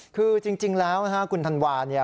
คือจริงแล้วนะฮะคุณธันวาเนี่ย